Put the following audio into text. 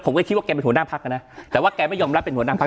แกคิดว่าแกเป็นหัวหน้าพักนะแต่ว่าแกไม่ยอมรับเป็นหัวหน้าพัก